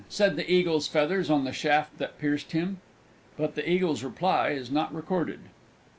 said the Eagle's feathers on the shaft that pierced him. But the Eagle's reply is not recorded.